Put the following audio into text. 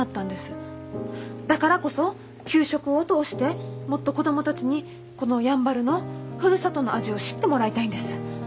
だからこそ給食を通してもっと子供たちにこのやんばるのふるさとの味を知ってもらいたいんです。